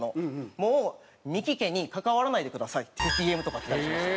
「もうミキ家に関わらないでください」ってＤＭとかきたりしました。